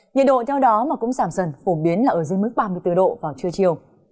nhiệt độ theo đó mà cũng giảm dần phổ biến là ở dưới mức ba mươi bốn độ vào trưa chiều